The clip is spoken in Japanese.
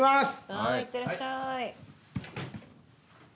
はいいってらっしゃい。